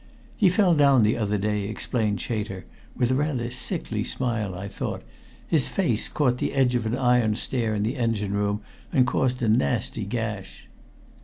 "He fell down the other day," explained Chater, with a rather sickly smile, I thought. "His face caught the edge of an iron stair in the engine room, and caused a nasty gash."